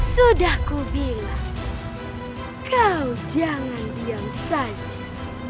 sudah kubilang kau jangan diam saja